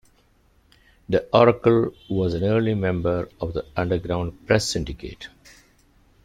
The "Oracle" was an early member of the Underground Press Syndicate.